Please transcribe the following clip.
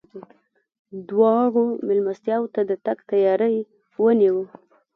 دواړو مېلمستیاوو ته د تګ تیاری ونیو.